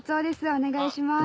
お願いします。